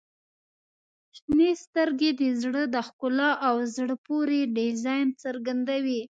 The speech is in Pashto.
• شنې سترګې د زړه د ښکلا او زړه پورې ډیزاین څرګندوي.